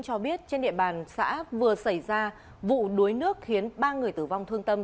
cho biết trên địa bàn xã vừa xảy ra vụ đuối nước khiến ba người tử vong thương tâm